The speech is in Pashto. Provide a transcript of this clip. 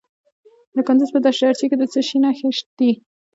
د کندز په دشت ارچي کې د څه شي نښې دي؟